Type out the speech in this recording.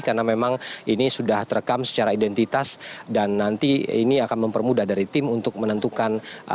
karena memang ini sudah terekam secara identitas dan nanti ini akan mempermudah dari tim untuk menentukan